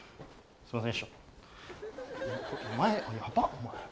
すみません。